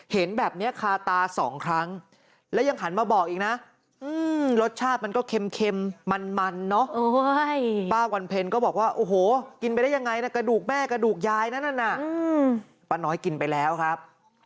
เห็นแบบนี้คาตาสองครั้งแล้วยังหันมาบอกอีกนะรสชาติมันก็เค็มมันเนอะป้าวันเพ็ญก็บอกว่าโอ้โหกินไปได้ยังไงนะกระดูกแม่กระดูกยายนั่นน่ะป้าน้อยกินไปแล้วครับ